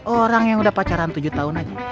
orang yang udah pacaran tujuh tahun aja